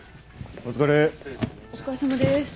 お疲れさまです。